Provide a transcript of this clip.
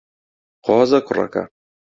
قۆزە کوڕەکە.